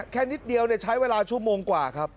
แค่นิดเดียวใช้เวลาชั่วโมงกว่า